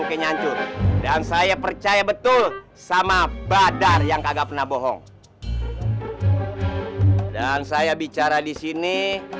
ky ngancur dan saya percaya betul sama badar yang kagak pernah bohong dan saya bicara disini